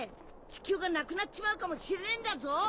地球がなくなっちまうかもしれねえんだぞ。